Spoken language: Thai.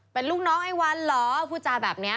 เป็นลูกน้องไอ้วันเหรอพูดจาแบบนี้